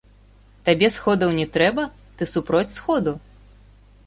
Табе сходаў не трэба, ты супроць сходу?